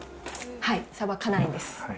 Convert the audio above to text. はい、さばかないんです。